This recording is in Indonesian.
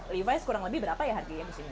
levi's kurang lebih berapa ya harganya gus imin